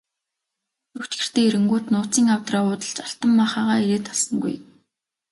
Ерөнхий шүүгч гэртээ ирэнгүүт нууцын авдраа уудалж алтан маахайгаа эрээд олсонгүй.